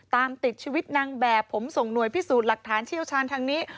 ตามติดชีวิตนางแบบผมส่งหน่วยพิสูจน์หลักฐานเชี่ยวชาญทางนี้